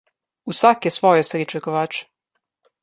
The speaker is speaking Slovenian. Vsak je svoje sreče kovač.